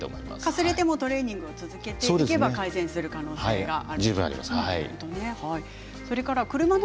かすれてもトレーニングを続ければ改善する可能性が十分あると思います。